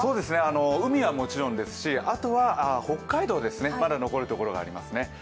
海はもちろんですしあとは北海道残るところがありますね。